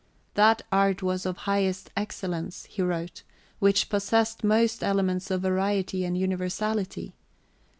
That art was of highest excellence, he wrote, which possessed most elements of variety and universality.